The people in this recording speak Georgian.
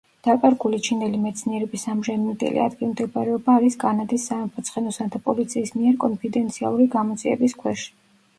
დაკარგული ჩინელი მეცნიერების ამჟამინდელი ადგილმდებარეობა არის კანადის სამეფო ცხენოსანთა პოლიციის მიერ კონფიდენციალური გამოძიების ქვეშ.